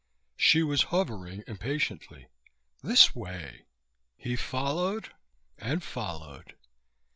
She was hovering impatiently. This way! He followed, and followed.